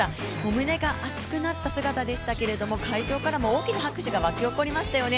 胸が熱くなった姿でしたけれども会場からも大きな拍手が沸き起こりましたよね。